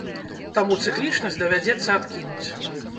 Таму цыклічнасць давядзецца адкінуць.